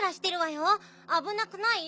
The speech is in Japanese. あぶなくない？